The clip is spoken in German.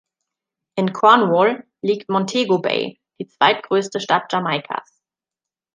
In Cornwall liegt Montego Bay, die zweitgrößte Stadt Jamaikas.